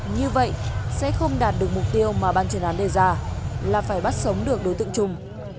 như vậy sẽ không đạt được mục tiêu mà ban chuyên án đề ra là phải bắt sống được đối tượng trung